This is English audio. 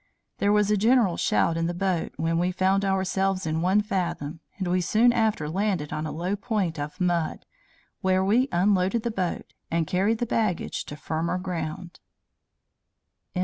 There was a general shout in the boat when we found ourselves in one fathom, and we soon after landed on a low point of mud, where we unloaded the boat, and carried the baggage to firmer ground."